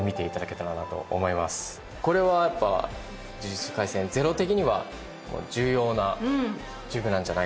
これはやっぱ「呪術廻戦０」的には重要な呪具なんじゃないかなと。